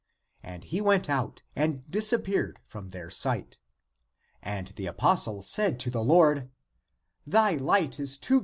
And he went out, and dis appeared from their sight. And the apostle said to the Lord, " Thy light is too great for us.